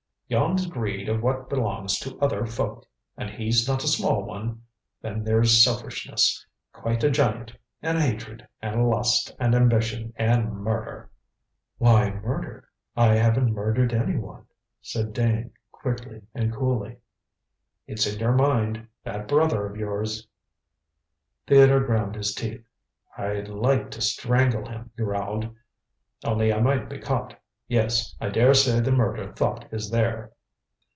"Yon's Greed of what belongs to other folk, an' he's not a small one. Then there's Selfishness, quite a giant and Hatred, and Lust, and Ambition, and Murder " "Why murder? I haven't murdered any one," said Dane quickly and coolly. "It's in your mind. That brother of yours " Theodore ground his teeth. "I'd like to strangle him," he growled, "only I might be caught. Yes, I daresay the murder thought is there."